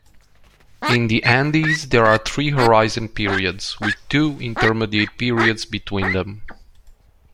In the Andes there are three Horizon periods, with two Intermediate periods between them.